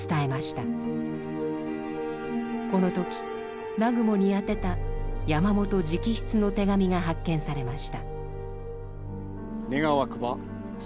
この時南雲に宛てた山本直筆の手紙が発見されました。